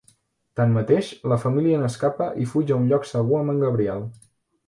Tanmateix, la família n'escapa i fuig a un lloc segur amb en Gabriel.